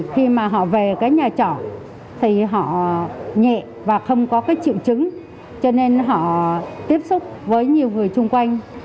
khi mà họ về cái nhà trọ thì họ nhẹ và không có cái triệu chứng cho nên họ tiếp xúc với nhiều người chung quanh